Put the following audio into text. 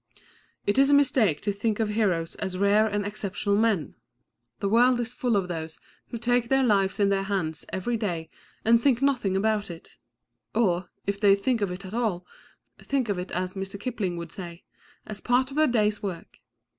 It is a mistake to think of heroes as rare and exceptional men; the world is full of those who take their lives in their hands every day and think nothing about it; or, if they think of it at all, think of it, as Mr. Kipling would say, as part of the day's work.